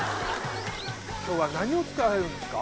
今日は何を作られるんですか？